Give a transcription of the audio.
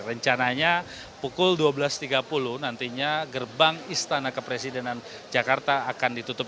rencananya pukul dua belas tiga puluh nantinya gerbang istana kepresidenan jakarta akan ditutup